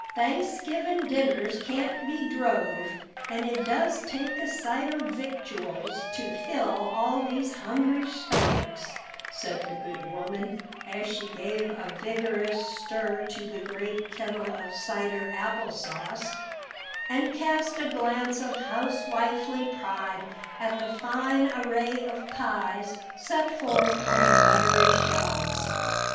Thanksgivin' dinners can't be drove, and it does take a sight of victuals to fill all these hungry stomicks," said the good woman, as she gave a vigorous stir to the great kettle of cider apple sauce, and cast a glance of housewifely pride at the fine array of pies set forth on the buttery shelves.